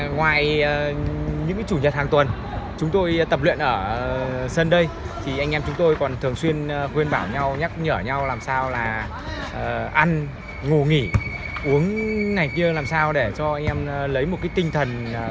ngoài những chủ nhật hàng tuần chúng tôi tập luyện ở sân đây anh em chúng tôi còn thường xuyên ghi nhở nhau làm sao là ăn ngủ nghỉ uống ngày kia làm sao để cho anh em lấy một tinh thần cao nhất